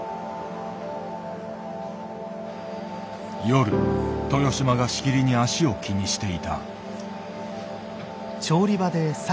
夜豊島がしきりに足を気にしていた。